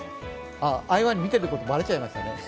合間に見ていることバレちゃいましたね。